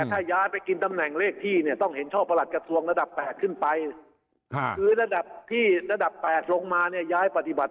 ถ้าย้ายไปกินตำแหน่งเลขแถบที่ต้องเห็นช่อประหลาดกระทรวงยำไป